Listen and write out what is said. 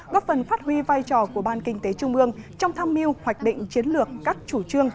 góp phần phát huy vai trò của ban kinh tế trung ương trong tham mưu hoạch định chiến lược các chủ trương